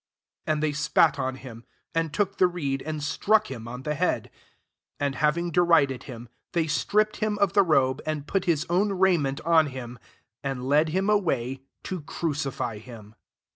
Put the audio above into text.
30 And they spat on him ; and took die reed, and struck him on the head. 31 And having derided kitnjT th«}r ttuippcil hu» of the robe and put his own ndment on him, and led him away to crucify him.